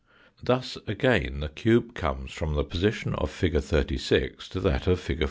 Thus again the cube comes from the position of fig. 36. to that of fig.